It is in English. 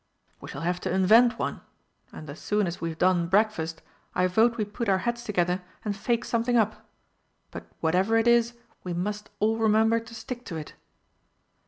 "We shall have to invent one. And as soon as we've done breakfast I vote we put our heads together and fake something up. But, whatever it is, we must all remember to stick to it!"